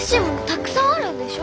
たくさんあるんでしょ？